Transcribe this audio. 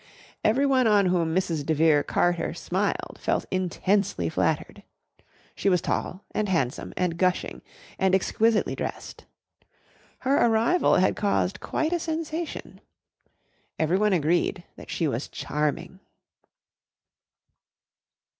Everyone on whom Mrs. de Vere Carter smiled felt intensely flattered. She was tall, and handsome, and gushing, and exquisitely dressed. Her arrival had caused quite a sensation. Everyone agreed that she was "charming."